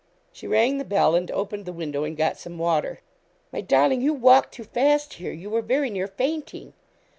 She rang the bell, and opened the window, and got some water. 'My darling, you walked too fast here. You were very near fainting.'